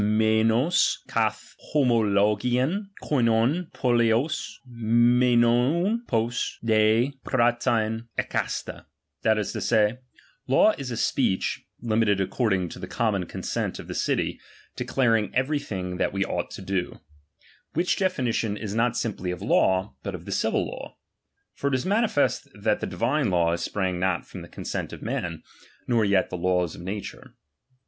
Xdyoc c^pur^ifuoc I o/^oXoylav KOiv^v TrtiKuiiq, fitjvvbiv irtuc til irpaTTttv fKaara : that is tO Say, law IS a Speech, t limited according to the common cojisent of the city, declaring every thing that we ought lo do. Which definition is not simply of late, but of the civil law. For it is manifest that the divine laws sprang not from the consent of men, nor yet the laws of nature.